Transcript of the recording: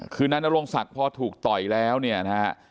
คืนนั้นนารงศักดร์พอถูกต่อยแล้วเนี่ยนะครับ